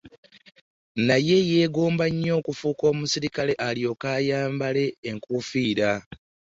Naye yeegomba nnyo okufuuka omuserikale alyoke ayambale enkuufiira.